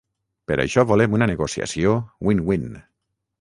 Per això volem una negociació “win-win”.